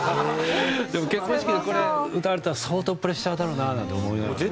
でも結婚式でこれ歌われたら相当プレッシャーだろうななんて思いながら。